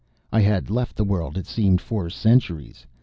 I had left the world, it seemed, for centuries.